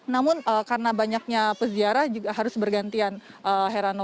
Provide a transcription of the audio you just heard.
namun karena banyaknya perziarah juga harus bergantian